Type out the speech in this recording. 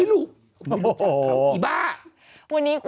ไม่รู้ไม่รู้จักเขาอีบ้า